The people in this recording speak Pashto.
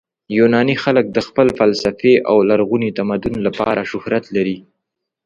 یوناني خلک د خپل فلسفې او لرغوني تمدن لپاره شهرت لري.